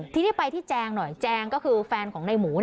ทีนี้ไปที่แจงหน่อยแจงก็คือแฟนของในหมู